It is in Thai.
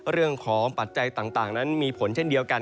เรื่องของปัจจัยต่างนั้นมีผลเช่นเดียวกัน